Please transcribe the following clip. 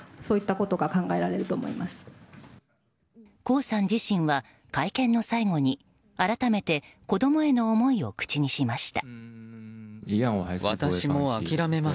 江さん自身は会見の最後に改めて子供への思いを口にしました。